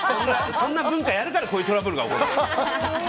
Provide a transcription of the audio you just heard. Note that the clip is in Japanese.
そんな文化をやるからこういうトラブルが起こるんだよ。